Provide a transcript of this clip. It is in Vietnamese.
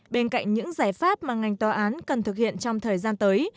bên cạnh những giải pháp mà ngành tòa án cần thực hiện trong thời gian tới